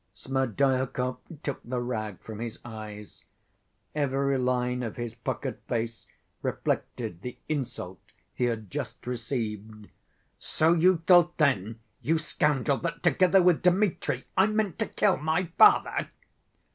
Smerdyakov took the rag from his eyes. Every line of his puckered face reflected the insult he had just received. "So you thought then, you scoundrel, that together with Dmitri I meant to kill my father?"